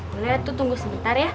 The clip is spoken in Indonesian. boleh ratu tunggu sebentar ya